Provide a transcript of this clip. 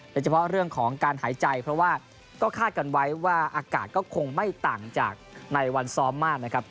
โดยเฉพาะเรื่องของการหายใจเพราะว่าก็คาดกันไว้ว่าอากาศก็คงไม่ต่างจากในวันซ้อมมากนะครับ